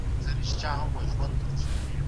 تخصص سته.